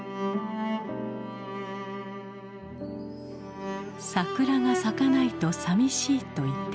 「桜が咲かないとさみしい」と言っていた妻。